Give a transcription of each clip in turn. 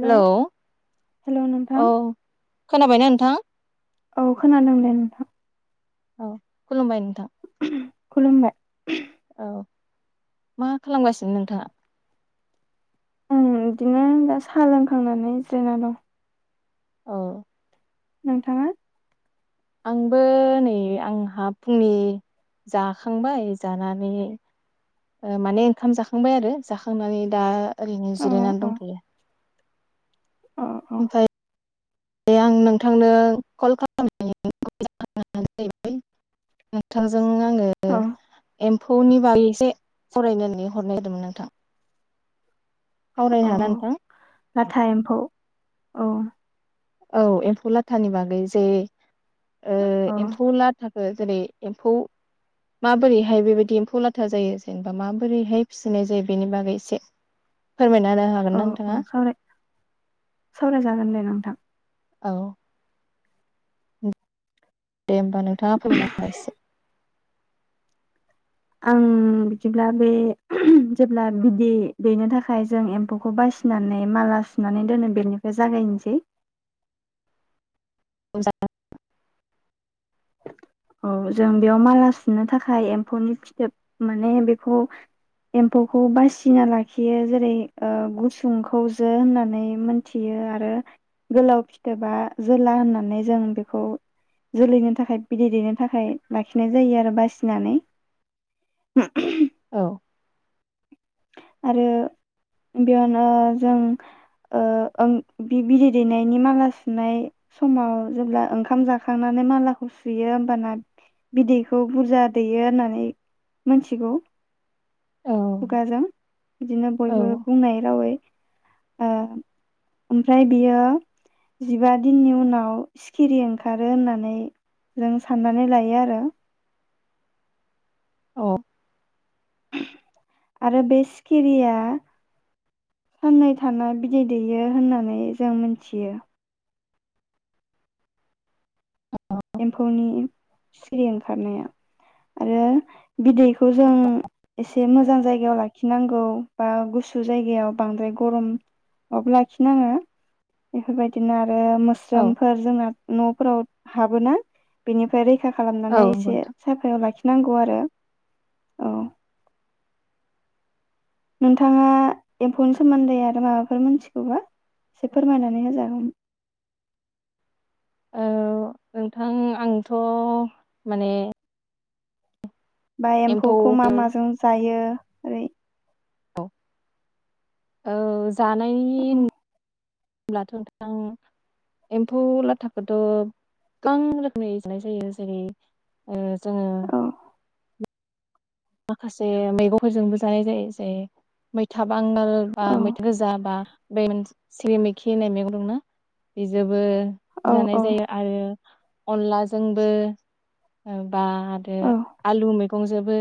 Hello hello नोंथां औ खोनाबायना नोंथां औ खोनादों दे नोंथां औ खुलुमबाय नोंथां खुलुमबाय। औ मा खालामगासिनो नोंथाङा? आं बिदिनो दा साहा लोंखांनानै जिरायना दं औ नोंथाङा। आंबो नै आंहा फुंनि जाखांबाय जानानै माने ओंखाम जाखांबाय आरो जाखांनानै दा ओरैनो अ जिरायनानै अ दंथ'यो। अ ओमफ्राय। आं नोंथांनो कल खालामनायनि जाहोनना जाहैबाय नोंथांजों आङो औ एम्फौ फौनि बागै एसे सावयनो होननानै हरनाय जादोंमोन नोंथां। औ सावयनो हागोन औ नोंथां। लाथा एम्फौ औ। औ एम्फौ लाथानि बागै जे औ एम्फौ लाथा। जेरै एम्फौ माबोरैहाय बेबायदि एम्फौ लाथा जायो जेनेबा माबोरैहाय फिसिनाय जायो बेनि बागै एसे फोरमायना होनो हागोन औ ना औ नोंथाङा? सावराय सावरायजागोन दे नोंथां। औ। दे होनबा नों नोथाङा फोरमाना सोनार एसे आं बिदिब्ला बे जेब्ला बिदै दैनो थाखाय जों एम्फौखौ बासिनानै माला सुनानै दोनो बेनिफ्राय जागायनोसै। [unintelligible] औ जों बेयाव माला सुनो थाखाय एम्फौनि फिथोब माने बेखौ एम्फौखौ बासिना लाखियो जेरै गुसुंखौ जो होननानै मोनथियो आरो गोलाव फिथोबा जोला होननानै जों बेखौ जोलैनो थाखाय बिदै दैनो थाखाय लाखिनाय जायो आरो बासिनानै। औ। आरो बेयावनो जों बिदै दैनायनि माला सुनाय समाव जेब्ला ओंखाम जाखांनानै मालाखौ सुयो होमबाना बिदैखौ बुरजा दैयो होननानै मोनथिगौ। औ खुगाजों बिदिनो औ बयबो बुंनाय रावै ओमफ्राय बियो जिबा दिननि उनाव सिखिरि ओंखारो होननानै जों साननानै लायो आरो। औ। आरो बे सिखिरिया। साननै थाना बिदै दैयो होननानै जों मिनथियो। एम्फौनि सिरि ओंखारनाया आरो बिदैखौ जों एसे मोजां जायगायाव लाखिनांगौ बा गुसु जायगायाव बांद्राय गरमावबो लाखिनाङो बेफोरबायदिनो आरो। आरो औ मोस्रोमफोर जोंना न'फ्राव हाबोना बेनिफ्राय रै खा खालामनानै नंगौ एसे नोंथां। साफायाव लाखि नांगौ आरो औ। नोंथाङा एम्फौनि सोमोन्दै आरो माबाफोर मोनथिगौबा एसे फोरमायनानै होजागौमोन। ओ नोंथां आंथ' माने बा एम्फौखौ मा माजों जायो ओय औ औज जानायनि औ होनब्लाथ' नोंथां एम्फौ लाथाखौथ' गोबां रोखोमनि जानाय जायो जेरै जों औ। माखासे मैगंफोरजोंबो जानाय जायो जै मैथा बांगाल बा औ मैथा गोजा बा बे मोन सिरिमैखि होननाय मैगं दंना बेजोबो औ जानाय औ जायो आरो अनलाजोंबो ओ। बा आरो औ आलु मैगंजोबो।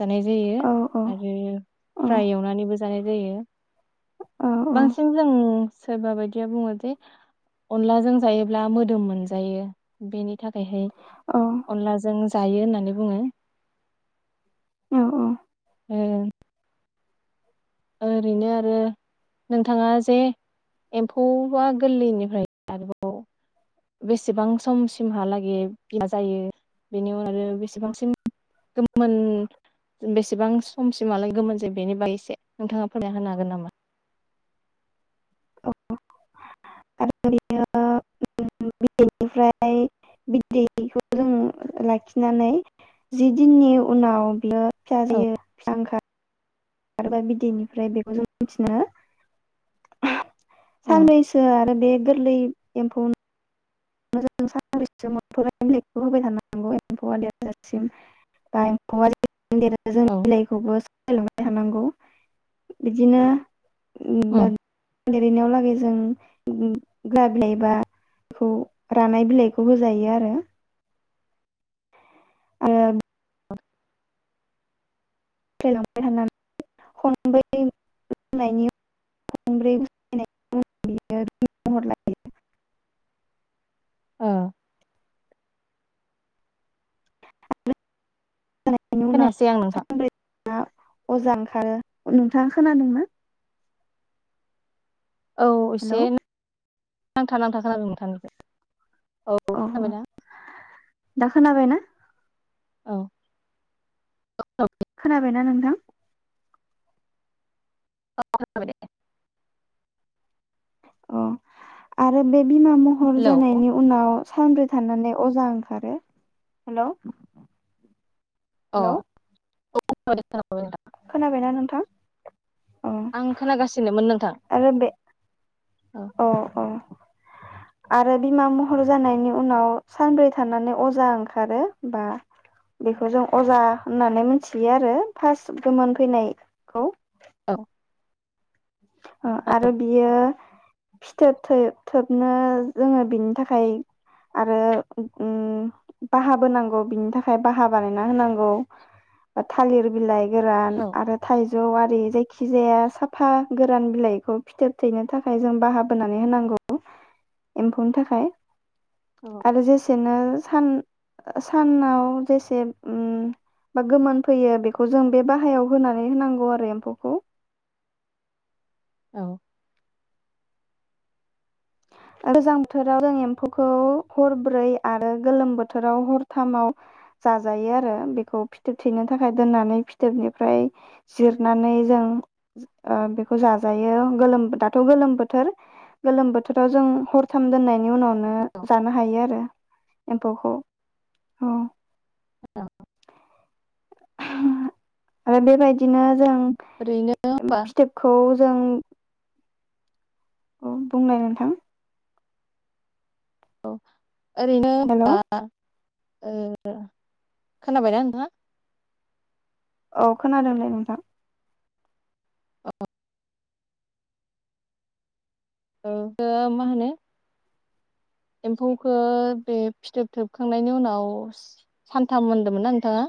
जानाय जायो औ आरो औ फ्राय एवनानैबो जानाय जायो। बांसिन जों सोरबा बायदि बुङो जे अनलाजों जायोब्ला मोदोम मोन जायो बेनि थाखायहाय औ अनलाजों जायो होननानै बुङो। औ औ। ए। ओरैनो आरो नोंथाङा जे एम्फौआ गोरलैनिफ्राय आरोबाव बेसेबां समसिमहालागै बिमा जायो बेनि उनाव आरो बेसेबांसिम गोमोन बेसेबां समसिमालागै गोमोन जायो बेनि बागै एसे नोंथाङा फोरमायना होनो हागोन नामा? औ [unintelligible] फिसा जोयो औ फिसा ओंखार आरोबा बिदैनिफ्राय बेखौ जों मिथिनो औ साननैसो आरो बेे गोरलै एम्फौन [unintelligible] [unintelligible] जों औ बिलाइखौबो लाबाय थानांगौ बिदिनो उम [unintelligible] लिरहैनायाव लागै जों उम गाबिलाइ बाखौ रानाय बिलाइखौ होजायो आरो ओ थांलांबाय थानानै खनब्रै गिदिंनायनि खनब्रै गिदिंनायनि उनाव बियो बुंहरलायदों ओम लानायनि उनाव खोनायासै आं नोंथां सानब्रै अजा ओंखारो नोंथाङा खोनादोंना औ हेलौ एसे नांथा नांथा खोनादों नोंथांनिखो औ खोनाबायना दा खोनाबायना औ खोनाबायना नोंथां औ खोनाबाय दे अ आरो बे बिमा महर हेलौ जानायनि उनाव सानब्रै थानानै अजा ओंखारो हेलौ हेलौ अह औ खोनादों खोनाबायना नोंथां अ आं खोनागासिनोमोन नोंथां आरो बे औ अ अ आरो बिमा महर जानायनि उनाव सानब्रै थानानै अजा ओंखारो होनबा बेखौ जों अजा होननानै मोनथियो आरो फार्स्ट गोमोन फैनायखौ औ ओ आरो बियो फिथोब थो-थोबनो जोङो बिनि थाखाय आरो उम बाहाबोनांगौ बिनि थाखाय बाहा बानायना होनांगौ थालिर बिलाइ गोरान औ आरो थाइज जौ आरि जायखि जाया साफा गोरान बिलाइखौ फिथोब थैनो थाखाय जों बाहाबोनानै होनांगौ एम्फौनि थाखाय औ आरो जेस सेनो सान सानाव जेसे उम बा गोमोन फैयो बेखौ जों बे बाहायाव होनानै होनांगौ आरो एम्फौखौ औ गोजां बोथोराव जों एम्फौखौ हरब्रै आरो गोलोम बोथोराव हरथामाव जाजायो आरो बेखौ फिथोब थैनो थाखाय दोननानै फिथोबनिफ्राय जिरनानै जों ओ बेखौ जाजायो गोलोम दाथ' गोलोम बोथोर गोलोम बोथ थोराव जों हरथाम दोननाय नि उनावनो औ जानो हायो आरो एम्फौखौ उम आरो बेबायदिनो जों ओरैनो होमबा फिथोबखौ जों औ बुंनाय नोंथां औ ओरैनो हेलौ होनबा ओ खोनाबायना नोंथा? औ खोनादों दे नोंथां। अह औ द मा होनो एम्फौखो बे फिथोब थोबखांनायनि उनाव सानथाम मोनदोंमोनना नोंथाङा?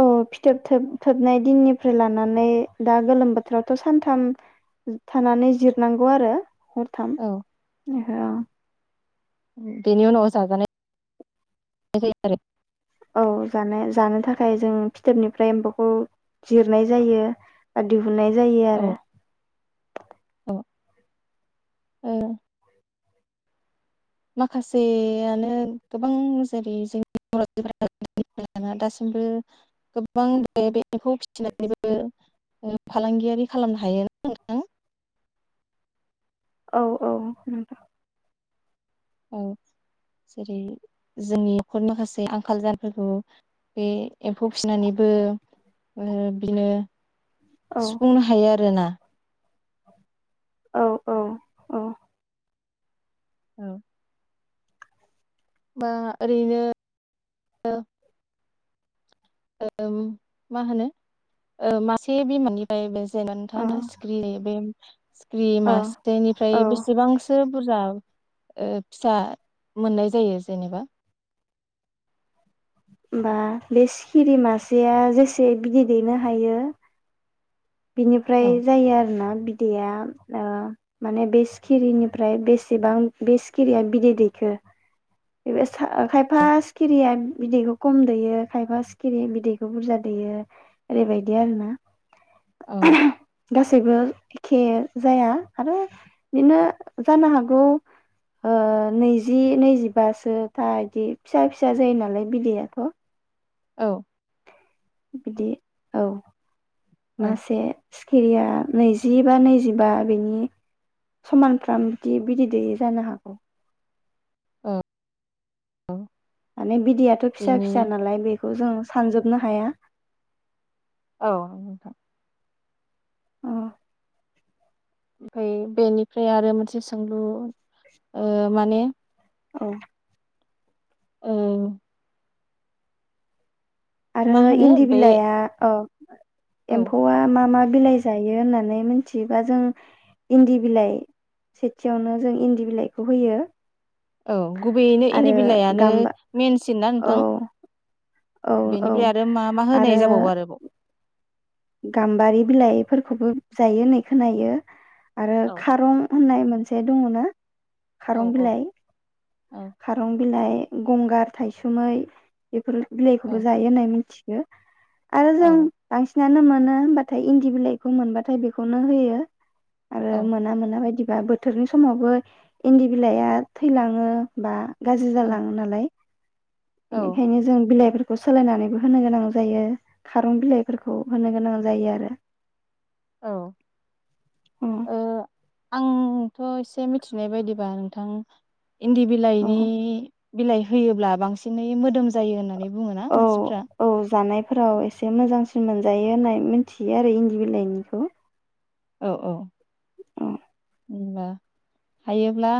औ फिथोब थोब-थोबनाय दिननिफ्राय लानानै दा गोलोम बोथोरावथ' सानथाम थानानै जिरनांगौ आरो हरथाम औ औ। बेनि उनाव जाजानाय जायो आरो। औ जानाय जानो थाखाय जों फिथोबनिफ्राय एम्फौखौ जिरनाय जायो ओ दिउ हुननाय जायो आरो। औ ओ माखासेयानो गोबां जेरै जोंनि बर' [unintelligible] दासिमबो गोबां बे एम्फौ फिसिनानैबो ओ फालांगियारि खालामनो हायोना नोंथां। औ औ नोंथां औ जेरै जोंनि नखरनि माखासे आंखाल जानायफोरखौ बे एम्फौ फिसिनानैबो ओ बिनो औ सुफुंनो हायो आरोना। औ औ औ। औ। बा ओरैनो मा होनो? ओ मासे बिमानिफ्राय बे जेन औ नोंथां दा सिखिरि बे सिख्रि औ मासेनिफ्राय होमबा बेसेबांसो बुरजा ओ फिसा मोननाय जायो जेनेबा? होमबा बे सिखिरि मासेया जेसे बिदै दैनो हायो बिनिफ्राय औ जायो आरोना। बिदैया ओ माने बे सिखिरिनिफ्राय बेसेबां बे सिखिरिया बिदै दैखो बेबा खायफा सिखिरिया बिदैखौ खम दैयो खायफा सिखिरि बिदैखौ बुरजा दैयो ओरैबायदि आरोना। औ। गासैबो एखे जाया आरो बिनो जानो हागौ ओ नैजि नैजि होनबासो दा बिदि फिसा फिसा जायो नालाय बिदैआथ' औ। बिदि औ। औ मासे सिखिरिया नैजि बा नैजिबा बिनि समानफ्राम बिदि बिदै दैैयो जानो हागौ। औ। औ माने बिदैयाथ' फिसा बेनि फिसा नालाय बे बेखौ जों सानजोबनो हाया। औ नोंथां। अ ओमफ्राय बेनिफ्राय आरो मोनसे सोंलु ओ माने औ। औ। आरो मा होनो इन्दि बे बिलाइआ औ। औ एम्फौआ मा मा बिलाइ जायो होननानै मिथियोबा जों इन्दि बिलाइ सेथियावनो जों इन्दि बिलाइखौ होयो। औ गुबैयैनो इन्दि आरो बिलाइानो गाम्बा मेनसिन ना औ नोंथां? औ औ बेनिफ्राय आरो मा मा होनाय जाबावो आरो बाव? गाम्बारि बिलाइफोरखौबो जायो नै खोनायो। आरो औ खारं होननाय मोनसे दङ ना? औ खारं औ बिलाइ औ खारं बिलाइ गंगार थायसुमै बेफोर औ बिलाइखौबो जायो होननाय मिथि यो आरो औ जों बांसिन आनो मोनो होमबाथाय इन्दि बिलाइखौ मोनबाथाय बेखौनो होयो। आरो औ मोना मोना बायदि ब्ला बोथोरनि समावबो इन्दि बिलाइआ थैलाङो बा गाज्रि जालाङो नालाय। औ बेनिखायनो जों बिलाइफोरखौ सोलायनानैबो होनो गोनां जायो खारं बिलाइफोरखौ होनो गोनां जायो आरो। औ अ ओ आंथ' एसे मिथिनाय बायदिबा नोंथां इन्दि औ बिलाइनि बिलाइ होयोब्ला बांसिनै मोदोम जायो होननानै बुङोना औ मानसिफ्रा औ जानायफोराव एसे मोजां सिन मोनजायो होननाय मिथियो आरो इन्दि बिलाइनिखौ। औ औ होनबा हायोब्ला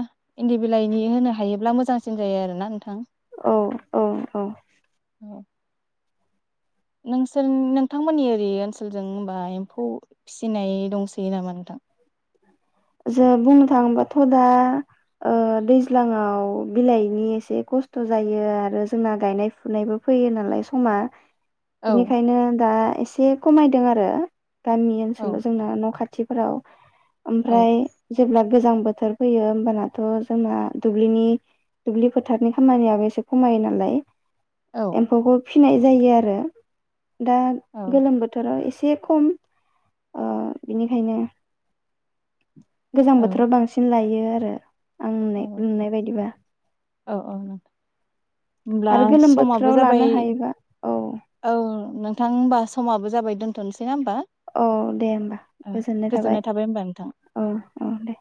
इन्दि बिलाइनि होनो हायोब्ला मोजांसिन जायो आरोना नोंथां। औ औ औ [inaudible] नोंसोर नोंथांमोननि ओरै ओनसोलजों होनबा एम्फौ फिसिनाय दंसै नामा नोंथां? जों बुंनो थाङोबाथ' दा ओ दैज्लाङाव बिलाइनि एसे खस्थ' जायो आरो जोंना गायनाय फुनायबो फैयो नालाय समा औ बिनिखायनो दा एसे खमायदों आरो गामि औ ओनसोलाव जोंना न' खा खाथिफोराव औ ओमफ्राय जेब्ला गोजां बोथोर फैयो होमबानाथ' जोंना दुब्लिनि दुब्लि फोथारनि खामानियाबो एसे खमायो नालाय। औ औ एमफौखौ फिनाय जायो आरो। दा गोलोम बोथोराव एसे एसे खम ओ बिनिखायनो गोजां औ बोथोराव बांसिन लायो आरो। औ आंनाय नुनाय बायदिबा। औ औ होमब्ला आरो गोलोम समाबो बोथोराव जाबाय लानो हायोबा औ औ नोंथां होमबा समाबो जाबाय दोनथ'नोसै ना होमबा? औ दे होमबा ओ गोजोननाय थाबाय होमबा नोंथां। औ औ दे